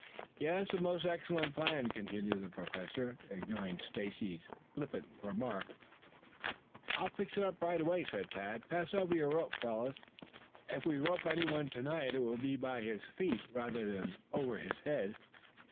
"Yes. A most excellent plan," continued the Professor, ignoring Stacy's flippant remark. "I'll fix it up right away," said Tad. "Pass over your ropes, fellows. If we rope anyone tonight it will be by his feet rather than over his head."